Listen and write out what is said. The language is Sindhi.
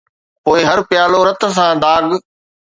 پوءِ هر پيالو رت سان داغ